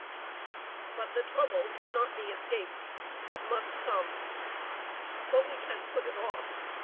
"But the trouble cannot be escaped. It must come. But we can put it off.